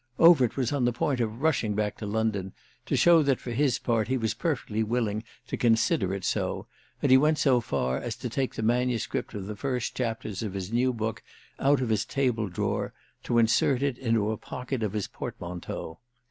Overt was on the point of rushing back to London to show that, for his part, he was perfectly willing to consider it so, and he went so far as to take the manuscript of the first chapters of his new book out of his table drawer, to insert it into a pocket of his portmanteau.